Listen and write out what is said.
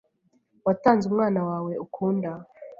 Watanze Umwana wawe ukunda